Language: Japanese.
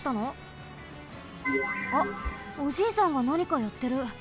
あっおじいさんがなにかやってる。